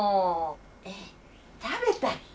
えっ食べたっけ？